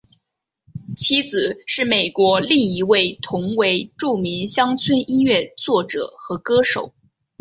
妻子是美国另一位同为著名乡村音乐作者和歌手。